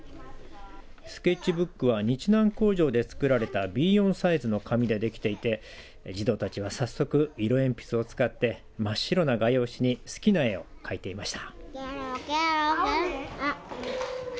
スケッチブックは日南工場で作られたＢ４サイズの紙でできていて児童たちは早速、色鉛筆を使って真っ白な画用紙に好きな絵を描いていました。